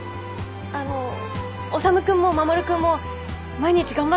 あの修君も守君も毎日頑張ってるでしょ？